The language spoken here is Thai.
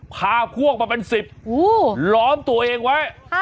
พาพวกมาเป็นสิบอู้ล้อมตัวเองไว้ฮะ